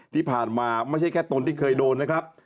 ที่ผ่านมาไม่ใช่แค่ตนที่เคยโดนนะครับ